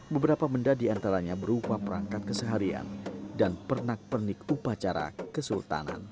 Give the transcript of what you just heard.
beberapa benda diantaranya berupa perangkat keseharian dan pernak pernik upacara kesultanan